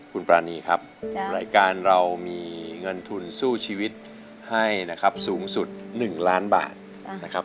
คุณปรานีครับรายการเรามีเงินทุนสู้ชีวิตให้นะครับสูงสุด๑ล้านบาทนะครับ